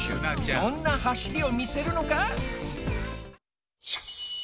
どんなはしりをみせるのか？